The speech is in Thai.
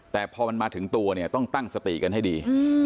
แต่พอมันมาถึงตัวเนี่ยต้องตั้งสติกันให้ดี